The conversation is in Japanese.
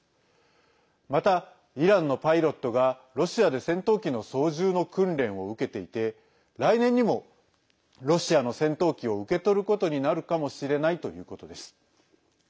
また、イランのパイロットがロシアで戦闘機の操縦の訓練を受けていて来年にもロシアの戦闘機を受け取ることになるかもしれないということです。